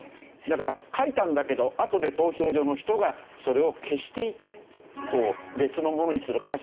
だから書いたんだけどあとで投票所の人がそれを消していてこう別のものにする。